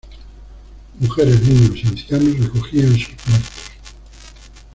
Mujeres, niños y ancianos recogían a sus muertos.